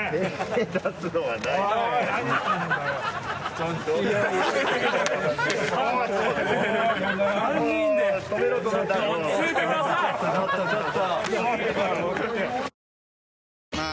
ちょっとちょっと。